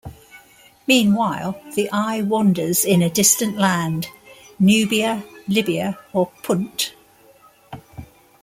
Meanwhile, the Eye wanders in a distant land-Nubia, Libya, or Punt.